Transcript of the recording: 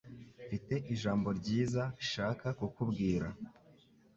Mfite ijambo ryiza shaka kukubwira